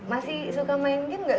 masih suka main game gak